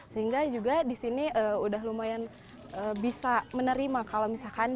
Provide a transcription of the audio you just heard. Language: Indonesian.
sehingga juga disini udah lumayan bisa menerima perkembangan anak di usia anak